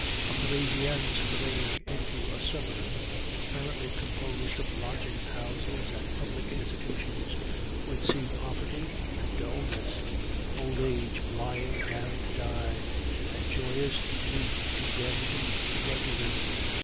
A Parisian straying into a suburb apparently composed of lodging houses and public institutions would see poverty and dullness, old age lying down to die, and joyous youth condemned to drudgery.